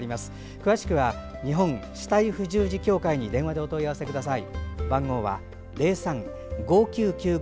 詳しくは日本肢体不自由児協会に電話でお問い合わせください。